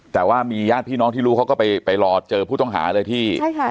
แต่ว่ามีญาติพี่น้องที่รู้เขาก็ไปรอเจอผู้ต้องหาเลยที่ใช่ค่ะ